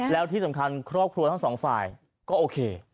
แล้วที่สำคัญครอบครัวทั้งสองฝ่ายก็โอเค